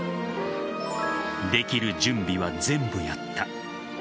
できる準備は全部やった。